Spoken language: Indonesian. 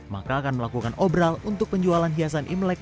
maka akan melakukan obral untuk penjualan hiasan imlek